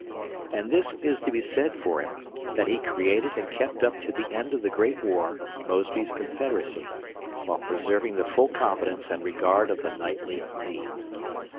And this is to be said for him, that he created and kept up to the end of the great war "Mosby's Confederacy", while preserving the full confidence and regard of the knightly Lee.